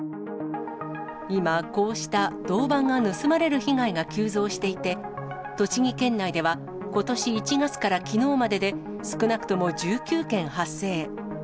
今、こうした銅板が盗まれる被害が急増していて、栃木県内では、ことし１月からきのうまでで、少なくとも１９件発生。